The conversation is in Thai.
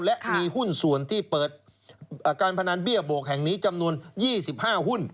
และมีหุ้นส่วนที่เปิดการพนันเบี้ยโบกแห่งนี้จำนวน๒๕หุ้น